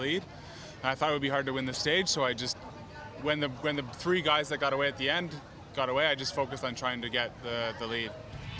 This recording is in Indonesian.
saya pikir akan sulit menang panggilan ini jadi ketika tiga perempuan yang terhujung menang saya hanya berfokus pada mencapai panggilan